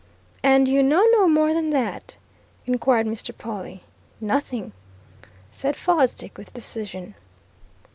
"And you know no more than that?" inquired Mr. Pawle. "Nothing!" said Fosdick with decision.